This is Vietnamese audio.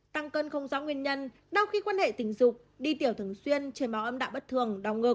tăng cân không rõ nguyên nhân đau khi quan hệ tình dục đi tiểu thường xuyên trẻ máu âm đạm bất thường đau ngực